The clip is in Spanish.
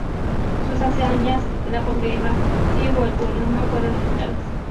Sus hazañas de la posguerra, si hubo alguna, no fueron registradas.